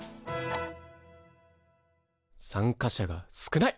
参加者が少ない！